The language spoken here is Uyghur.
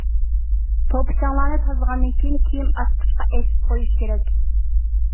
توپا-چاڭلارنى تازىلىغاندىن كېيىن كىيىم ئاسقۇچقا ئېسىپ قويۇش كېرەك.